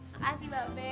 makasih mbak be